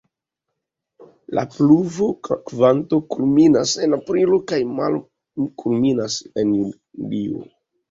La pluvokvanto kulminas en aprilo kaj malkulminas en julio.